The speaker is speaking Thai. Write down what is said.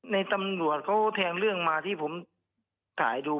ในตำรวจเขาแทงเรื่องมาที่ผมถ่ายดู